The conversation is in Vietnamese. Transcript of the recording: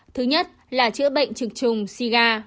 thứ nhất là chữa bệnh trực trùng si ga